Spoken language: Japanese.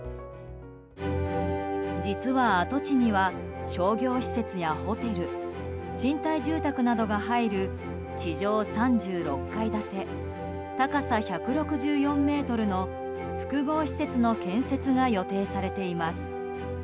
実は、跡地には商業施設やホテル賃貸住宅などが入る地上３６階建て、高さ１６４ｍの複合施設の建設が予定されています。